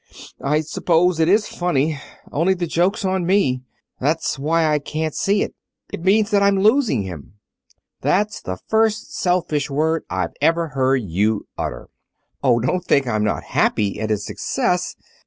"I suppose it is funny. Only, the joke's on me. That's why I can't see it. It means that I'm losing him." "That's the first selfish word I've ever heard you utter." "Oh, don't think I'm not happy at his success.